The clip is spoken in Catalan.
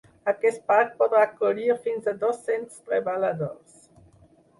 Aquest parc podrà acollir fins a dos-cents treballadors.